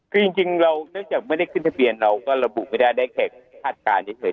คือจริงเราเนื่องจากไม่ได้ขึ้นทะเบียนเราก็ระบุไม่ได้ได้แค่คาดการณ์เฉย